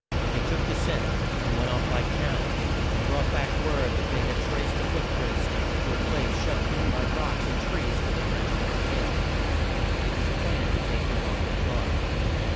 They took the scent, and went off like hounds, and brought back word that they had traced the foot prints to a place shut in by rocks and trees where the French were in camp. It was planned to take them off their guard.